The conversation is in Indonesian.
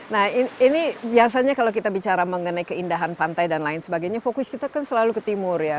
nah ini biasanya kalau kita bicara mengenai keindahan pantai dan lain sebagainya fokus kita kan selalu ke timur ya